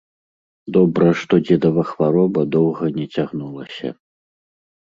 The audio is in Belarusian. Добра, што дзедава хвароба доўга не цягнулася.